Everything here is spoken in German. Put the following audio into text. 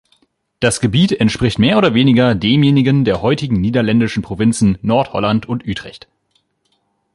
Das Gebiet entspricht mehr oder weniger demjenigen der heutigen niederländischen Provinzen Nord-Holland und Utrecht.